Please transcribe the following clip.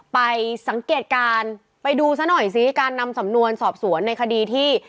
ไปสังเกตการณ์ไปดูซะหน่อยซิการนำสำนวนสอบสวนในคดีที่